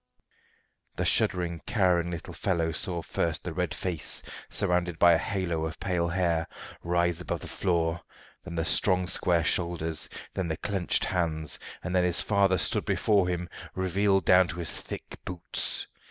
The shuddering, cowering little fellow saw first the red face, surrounded by a halo of pale hair, rise above the floor, then the strong square shoulders, then the clenched hands, and then his father stood before him, revealed down to his thick boots.